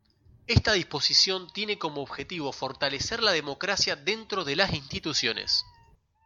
Esta disposición tiene como objetivo fortalecer la democracia dentro de las instituciones.